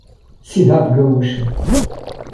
Cidade Gaúcha